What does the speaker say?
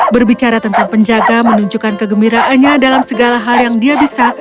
berbicara tentang penjaga menunjukkan kegembiraannya dalam segala hal yang dia bisa